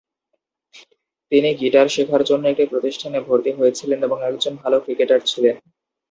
তিনি গিটার শেখার জন্য একটি প্রতিষ্ঠানে ভর্তি হয়েছিলেন এবং একজন ভাল ক্রিকেটার ছিলেন।